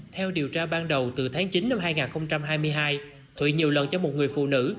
theo điều tra ban đầu từ tháng chín năm hai nghìn hai mươi hai thụy nhiều lần cho một người phụ nữ